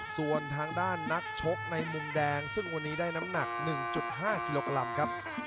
ส่วนทางด้านนักชกในมุมแดงซึ่งวันนี้ได้น้ำหนัก๑๕กิโลกรัมครับ